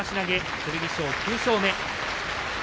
剣翔、９勝目。